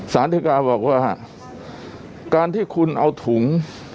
สารดีการ์บอกว่าการที่คุณเอาถุง